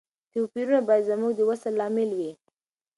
توپیرونه باید زموږ د وصل لامل وي.